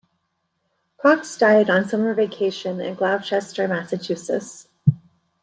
Cox died on summer vacation at Gloucester, Massachusetts.